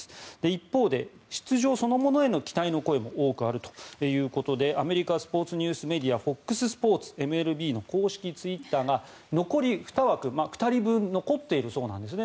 一方で出場そのものへの期待の声も多くあるということでアメリカスポーツニュースメディアＦＯＸスポーツＭＬＢの公式ツイッターが残り２枠、２人分残っているそうなんですね